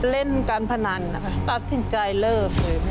เล่นการพนันนะคะตัดสินใจเลิกเลย